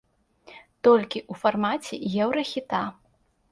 Толькі ў фармаце еўрахіта.